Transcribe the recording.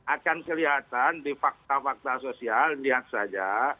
akan kelihatan di fakta fakta sosial lihat saja